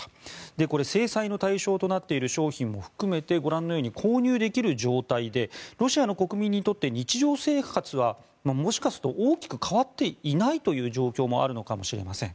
これ、制裁の対象となっている商品を含めてご覧のように購入できる状態でロシアの国民にとって日常生活はもしかすると大きく変わっていないという状況もあるのかもしれません。